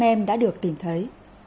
năm em đã được tìm thấy